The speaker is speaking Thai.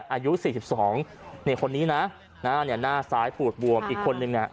อายุสี่สิบสองเนี่ยคนนี้น่ะน่าเนี่ยหน้าซ้ายปูดบวมอีกคนนึงน่ะ